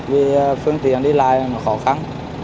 vì phương tiện đi lại nó khó khăn